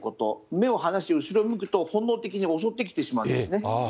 目を離して後ろ向くと、本能的に襲ってきてしまうんですね。